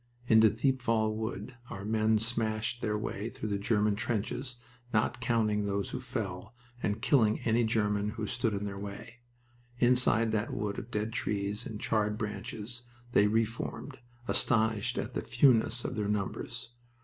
Into Thiepval Wood men of ours smashed their way through the German trenches, not counting those who fell, and killing any German who stood in their way. Inside that wood of dead trees and charred branches they reformed, astonished at the fewness of their numbers.